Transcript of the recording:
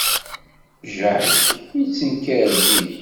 Jack yettenkar zik.